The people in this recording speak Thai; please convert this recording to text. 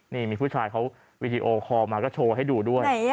นี่มีผู้ชายเขาวีดีโอคอลมาก็โชว์ให้ดูด้วย